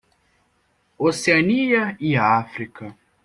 Oceania e África.